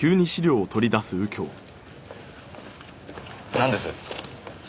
なんです？